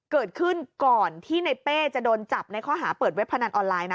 เกิดขึ้นก่อนที่ในเป้จะโดนจับในข้อหาเปิดเว็บพนันออนไลน์นะ